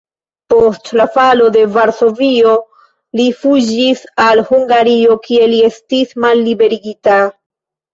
Post la falo de Varsovio li fuĝis al Hungario, kie li estis malliberigita.